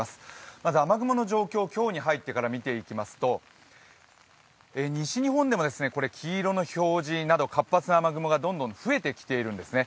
まず雨雲の状況、今日に入ってから見てみますと西日本でも黄色の表示など活発な雨雲がどんどん増えてきているんですね。